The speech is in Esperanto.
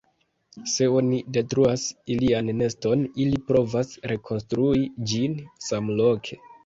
Se oni detruas ilian neston, ili provas rekonstrui ĝin samloke.